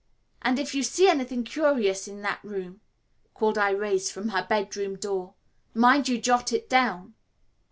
"And if you see anything curious in that room," called Irais from her bedroom door, "mind you jot it down."